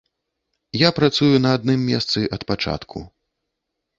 Я працую на адным месцы ад пачатку.